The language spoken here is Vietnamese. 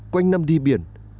quanh năm đi biển